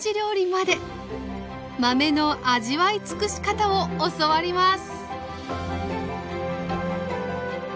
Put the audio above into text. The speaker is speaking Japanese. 豆の味わいつくし方を教わります